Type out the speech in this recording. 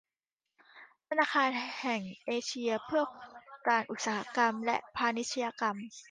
ธนาคารแห่งเอเชียเพื่อการอุตสาหกรรมและพาณิชยกรรม